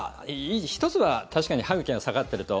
１つは確かに歯茎が下がっていると。